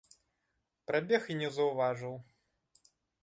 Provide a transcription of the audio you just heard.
Прабег і не заўважыў.